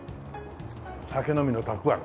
酒飲みのたくあん。